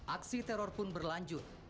aksi teror pun berlanjut